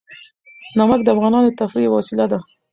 نمک د افغانانو د تفریح یوه وسیله ده.